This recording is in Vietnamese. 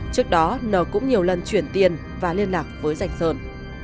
trước đó n cũng nhiều lần chuyển tiền và liên lạc với danh sơn